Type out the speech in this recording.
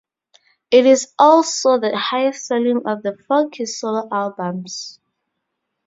It is also the highest selling of the four Kiss solo albums.